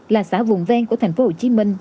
là xã vùng ven của thành phố hồ chí minh